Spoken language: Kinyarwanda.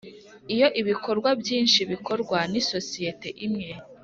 Iyo ibikorwa byinshi bikorwa n isosiyete imwe